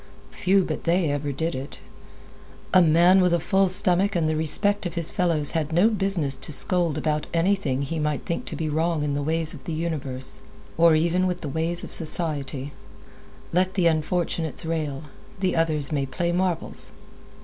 Few but they ever did it. A man with a full stomach and the respect of his fellows had no business to scold about anything that he might think to be wrong in the ways of the universe, or even with the ways of society. Let the unfortunates rail; the others may play marbles.